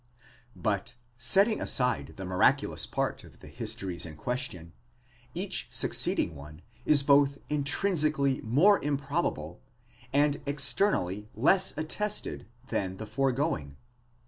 But, setting aside the miraculous part of the histories in question, each succeeding one is both intrinsically more improbable, and externally less attested, than the foregoing.